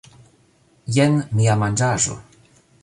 Jen mia manĝaĵo